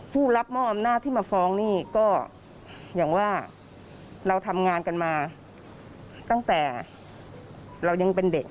ผู้รับมอบอำนาจที่มาฟ้องนี่ก็อย่างว่าเราทำงานกันมาตั้งแต่เรายังเป็นเด็ก